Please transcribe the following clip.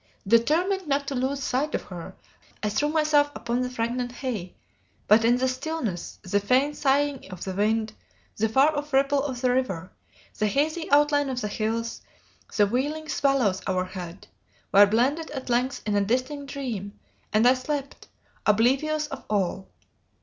Determined not to lose sight of her, I threw myself upon the fragrant hay; but in the stillness, the faint sighing of the wind, the far off ripple of the river, the hazy outline of the hills, the wheeling swallows overhead, were blended at length in an indistinct dream, and I slept, oblivious of all.